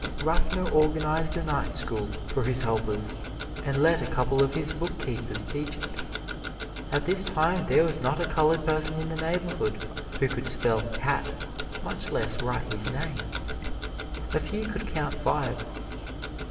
Ruffner organized a night school for his helpers, and let a couple of his bookkeepers teach it. At this time there was not a colored person in the neighborhood who could spell cat, much less write his name. A few could count five.